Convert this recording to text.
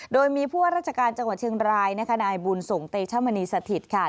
โดยมีผู้ราชการจังหวัดเชียงรายนายบุญสงตเตชมณีสถิตย์